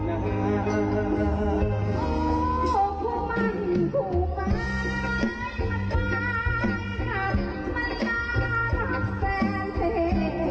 จะทอดใจที่มันนั่งต่างและกลับเหลือเกิน